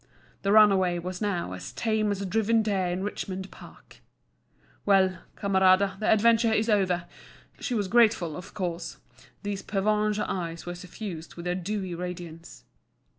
The runaway was now as tame as a driven deer in Richmond Park. Well, Camarada, the adventure is over. She was grateful, of course. These pervenche eyes were suffused with a dewy radiance.